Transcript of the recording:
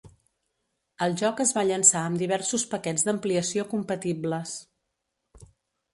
El joc es va llançar amb diversos paquets d'ampliació compatibles.